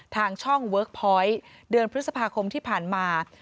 ทางช่องเวิร์คพอยต์เดือนพฤษภาคมที่ผ่านมา